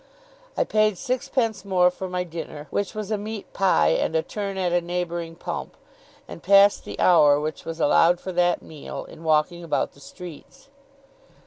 I paid sixpence more for my dinner, which was a meat pie and a turn at a neighbouring pump; and passed the hour which was allowed for that meal, in walking about the streets.